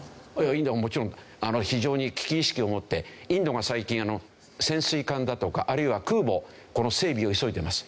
インドはもちろん非常に危機意識を持ってインドが最近潜水艦だとかあるいは空母この整備を急いでます。